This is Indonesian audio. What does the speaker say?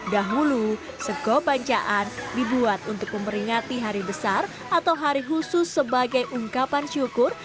dahulu sego bancaan dibuat untuk memperingati hari besar atau hari khusus sebagai ungkapan syukur